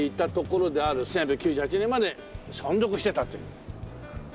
「１８９８年まで存続していた」という。